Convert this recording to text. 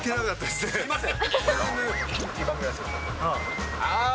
すみません。